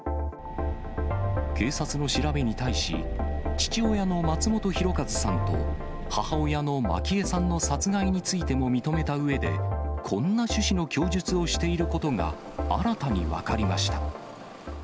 警察の調べに対し、父親の松本博和さんと母親の満喜枝さんの殺害についても認めたうえで、こんな趣旨の供述をしていることが新たに分かりました。